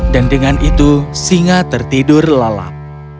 dan dengan itu singa tertidur lalap